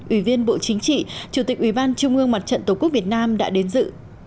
ủy viên bộ chính trị chủ tịch ủy ban trung ương mặt trận tổ quốc việt nam đã đến dự